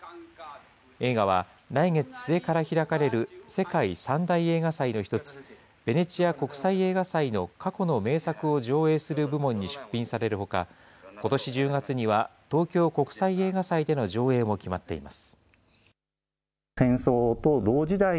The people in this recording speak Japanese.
映画は来月末から開かれる世界３大映画祭の１つ、ベネチア国際映画祭の過去の名作を上映する部門に出品されるほか、ことし１０月には、東京国際映画祭での上映も決まっています。